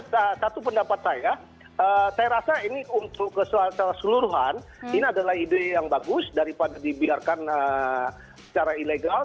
satu pendapat saya saya rasa ini untuk keseluruhan ini adalah ide yang bagus daripada dibiarkan secara ilegal